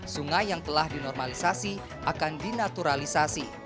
sungai yang telah dinormalisasi akan dinaturalisasi